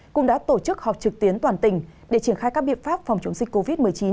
cũng đã tổ chức họp trực tuyến toàn tỉnh để triển khai các biện pháp phòng chống dịch covid một mươi chín